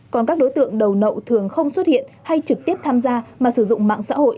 còn các đối tượng đầu nậu thường không xuất hiện hay trực tiếp tham gia mà sử dụng mạng xã hội